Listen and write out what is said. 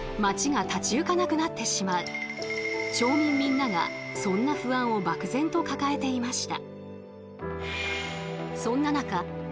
町民みんながそんな不安を漠然と抱えていました。